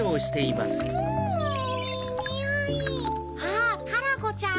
あカラコちゃん。